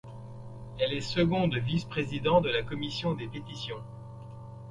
Elle est seconde vice-président de la commission des Pétitions.